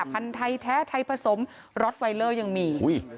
พันธุ์ไทยแท้ไทยผสมรสไวเลอร์ยังมีอุ้ย